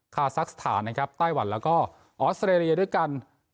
คาซักสถานนะครับไต้หวันแล้วก็ออสเตรเลียด้วยกัน